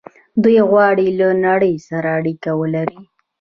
دوی غواړي له نړۍ سره اړیکه ولري.